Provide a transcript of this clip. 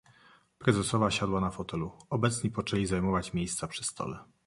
"Prezesowa siadła na fotelu; obecni poczęli zajmować miejsca przy stole."